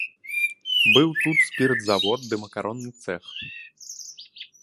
Быў тут спіртзавод ды макаронны цэх.